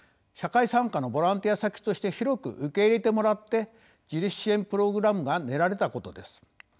社会参加のボランティア先として広く受け入れてもらって自立支援プログラムが練られたことです。